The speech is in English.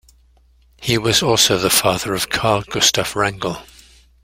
He was also the father of Carl Gustaf Wrangel.